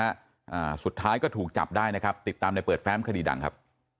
อ่าสุดท้ายก็ถูกจับได้นะครับติดตามในเปิดแฟ้มคดีดังครับ